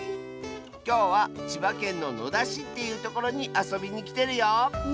きょうは千葉県の野田市っていうところにあそびにきてるよ。